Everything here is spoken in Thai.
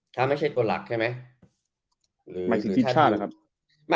ถ้าไม่ใช่คนหลักใช่ไหม